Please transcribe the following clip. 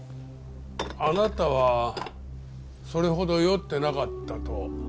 あなたはそれほど酔ってなかったと。